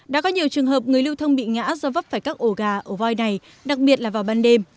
đã có nhiều trường hợp người lưu thông bị ngã do vấp phải các ổ gà ổ voi này đặc biệt là vào ban đêm